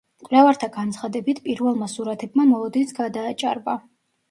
მკვლევართა განცხადებით, პირველმა სურათებმა მოლოდინს გადააჭარბა.